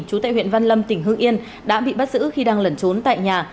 chú tại huyện văn lâm tỉnh hương yên đã bị bắt giữ khi đang lẩn trốn tại nhà